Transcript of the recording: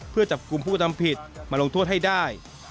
เพื่อจับกลุ่มผู้กระทำผิดมาลงโทษให้ได้